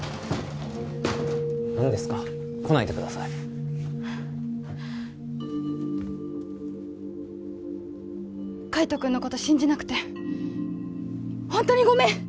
何ですか来ないでください海斗君のこと信じなくてホントにごめん！